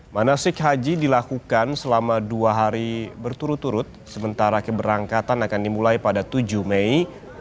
manasik haji dilakukan selama dua hari berturut turut sementara keberangkatan akan dimulai pada tujuh mei dua ribu dua puluh